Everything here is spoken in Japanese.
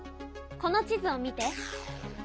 この地図を見て。